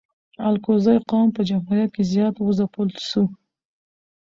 الکوزي قوم په جمهوریت کی زیات و ځپل سو